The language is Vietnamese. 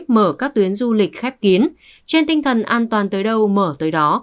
mở các tuyến du lịch khép kín trên tinh thần an toàn tới đâu mở tới đó